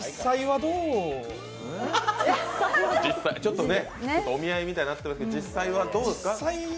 ちょっとね、お見合いみたいになってますけどどうですか？